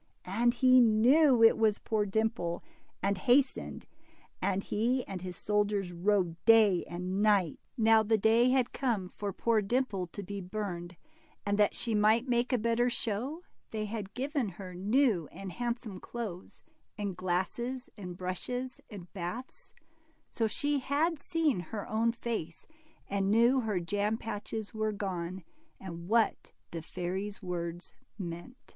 And he knew it was poor Dimple, and hastened, and he and his soldiers rode day and night. Now the day had come for poor Dimple to be burned, and that she might make a better show, they had given her new and handsome clothes, and glasses, and brushes, and bath^; so she had seen her own face, and knew her jam patches were gone, and what the fairy's words meant.